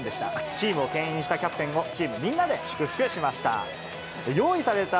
チームをけん引したキャプテンを、チームみんなで祝福しました。